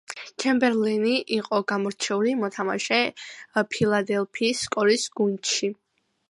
ჩემბერლენი იყო გამორჩეული მოთამაშე ფილადელფიის სკოლის გუნდში.